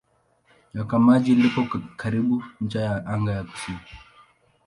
Nyoka Maji lipo karibu ncha ya anga ya kusini.